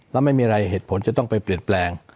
แล้วไม่มีอะไรเหตุผลจะต้องไปเปลี่ยนแปลง